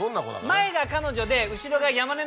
前が彼女で？